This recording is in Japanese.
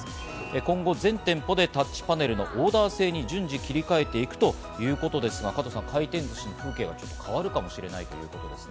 今後、全店舗でタッチパネルのオーダー制に順次切り替えていくということですが、加藤さん、回転寿司、変わるかもしれませんね。